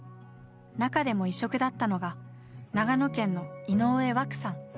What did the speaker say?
中でも異色だったのが長野県の井上湧さん。